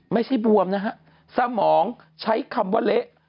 ไม่ใช่บวมนะฮะสมองใช้คำว่าเละ